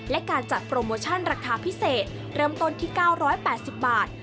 และการจัดโปรโมชั่นราคาพิเศษเริ่มต้นที่๙๘๐บาท